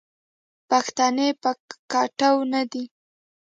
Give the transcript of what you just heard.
پښتنې په کتو نه دي